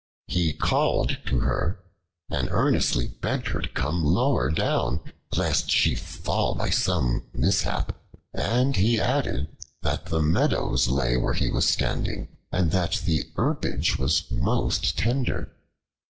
He called to her and earnestly begged her to come lower down, lest she fall by some mishap; and he added that the meadows lay where he was standing, and that the herbage was most tender.